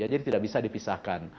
jadi tidak bisa dipisahkan